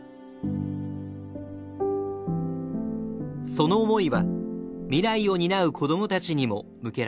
その思いは未来を担う子供たちにも向けられています。